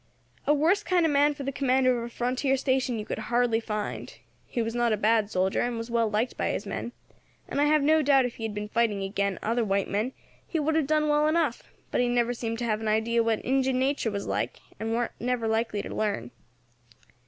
A worse kind of man for the commander of a frontier station you could hardly find. He was not a bad soldier, and was well liked by his men, and I have no doubt if he had been fighting agin other white men he would have done well enough; but he never seemed to have an idee what Injin nature was like, and weren't never likely to learn.